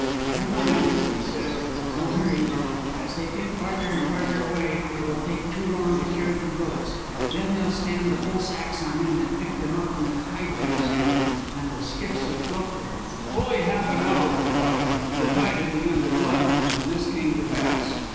"Never mind," he said; "no hurry. As they pick farther and farther away, it will take too long to carry to the boats. Then they'll stand the full sacks on end and pick them up when the tide comes in and the skiffs will float to them." Fully half an hour went by, and the tide had begun to flood, when this came to pass.